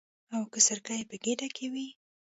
او که سرکه یې په ګېډه کې وي.